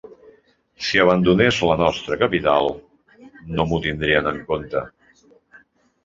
Si abandonés la nostra capital, no m'ho tindrien en compte.